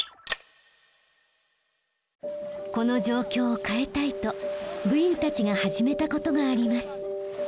この状況を変えたいと部員たちが始めたことがあります。